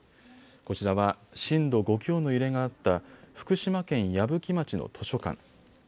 こちらは震度５強の揺れがあった福島県矢吹町の図書館。